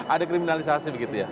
ada kriminalisasi begitu ya